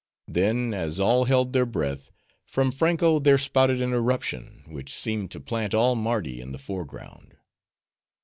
Then as all held their breath, from Franko there spouted an eruption, which seemed to plant all Mardi in the foreground.